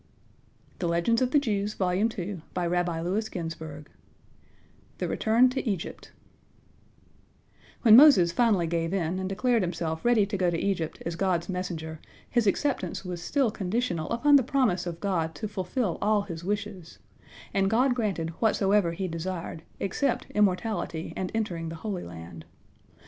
" THE RETURN TO EGYPT When Moses finally gave in, and declared himself ready to go to Egypt as God's messenger, his acceptance was still conditional upon the promise of God to fulfil all his wishes, and God granted whatsoever he desired, except immortality and entering the Holy Land.